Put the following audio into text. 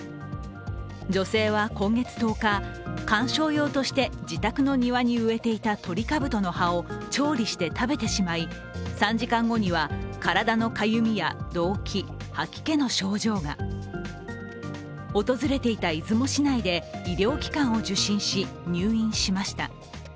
女性は今月１０日、観賞用として自宅の庭に植えていたトリカブトの葉を調理して食べてしまい、３時間後には体のかゆみや動悸、吐き気の症状が訪れていた出雲市内で医療機関を受診し入院しました。